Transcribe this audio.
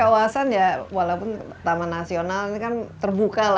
kawasan ya walaupun taman nasional kan terbuka